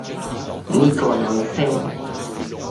呢個有聲